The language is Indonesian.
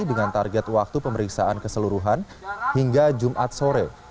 dengan target waktu pemeriksaan keseluruhan hingga jumat sore